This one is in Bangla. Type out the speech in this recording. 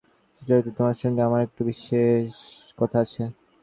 হারানবাবু তাহাকে কহিলেন, সুচরিতা, তোমার সঙ্গে আমার একটু বিশেষ কথা আছে।